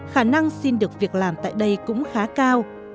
khả năng xin được việc làm tại đây cũng khá cao